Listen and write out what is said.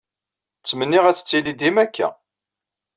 Ttmenniɣ ad tettili dima akka.